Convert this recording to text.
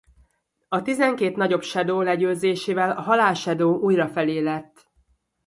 A tizenkét nagyobb Shadow legyőzésével a Halál Shadow újra feléledt.